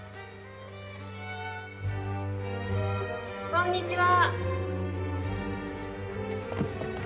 こんにちは。